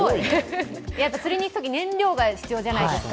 やっぱり釣りに行くとき燃料が必要じゃないですか。